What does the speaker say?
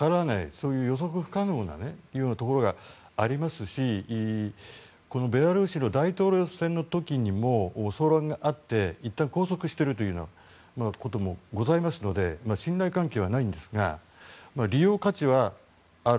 そういう予測不可能なところがありますしベラルーシの大統領選の時にも騒乱があっていったん拘束しているということもございますので信頼関係はないんですが利用価値はある。